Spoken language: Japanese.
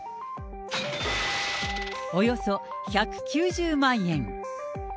およそ１９０万円。